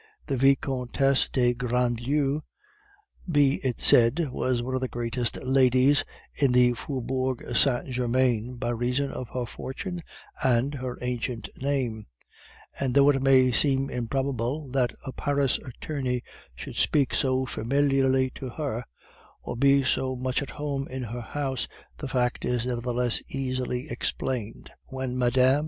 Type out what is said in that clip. The Vicomtesse de Grandlieu, be it said, was one of the greatest ladies in the Faubourg Saint Germain, by reason of her fortune and her ancient name; and though it may seem improbable that a Paris attorney should speak so familiarly to her, or be so much at home in her house, the fact is nevertheless easily explained. When Mme.